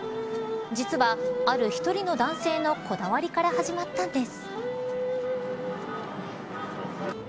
実は、ある一人の男性のこだわりから始まったんです。